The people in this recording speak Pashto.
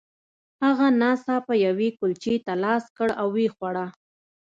هغه ناڅاپه یوې کلچې ته لاس کړ او ویې خوړه